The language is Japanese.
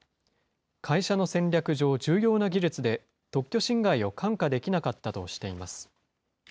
会社の戦略上、重要な技術で、特許侵害を看過できなかったとしています。